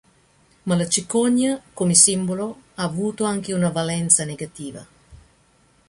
Ma la cicogna come simbolo ha avuto anche una valenza negativa.